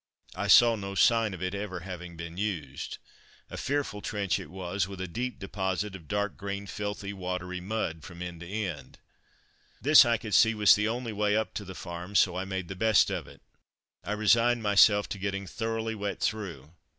I saw no sign of it ever having been used. A fearful trench it was, with a deep deposit of dark green filthy, watery mud from end to end. This, I could see, was the only way up to the farm, so I made the best of it. I resigned myself to getting thoroughly wet through.